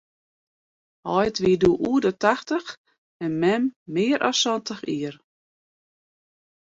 Heit wie doe oer de tachtich en mem mear as santich jier.